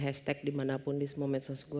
hashtag dimanapun di semua medsos gue